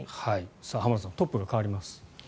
浜田さんトップが代わります。